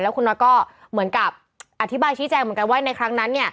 คุณน็อตก็เหมือนกับอธิบายชี้แจงเหมือนกันว่าในครั้งนั้น